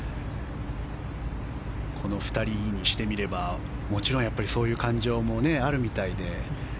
この２人にしてみればもちろん、そういう感情もあるみたいで。